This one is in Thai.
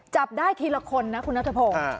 จับได้ทีละคนนะคุณนัทพงศ์